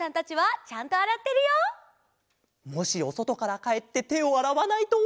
もしおそとからかえっててをあらわないと。